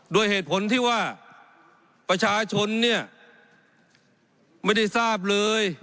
โดยเหตุผลที่ว่าประชาชนเนี่ยไม่ได้ทราบเลย